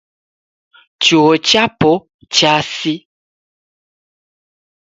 Chuo chapo chasi